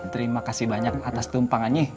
terima kasih banyak atas tumpangannya